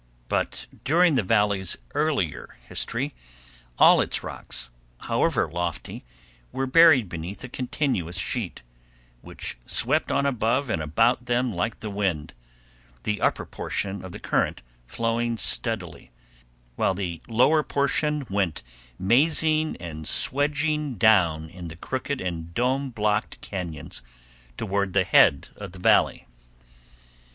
But during the Valley's earlier history, all its rocks, however lofty, were buried beneath a continuous sheet, which swept on above and about them like the wind, the upper portion of the current flowing steadily, while the lower portion went mazing and swedging down in the crooked and dome blocked cañons toward the head of the Valley.